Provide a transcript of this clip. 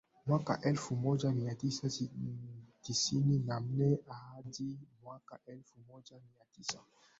mwaka elfu moja mia tisa tisini na nne hadi mwaka elfu moja mia tisa